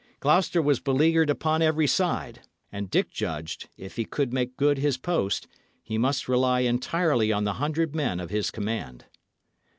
Gloucester was beleaguered upon every side; and Dick judged, if he would make good his post, he must rely entirely on the hundred men of his command.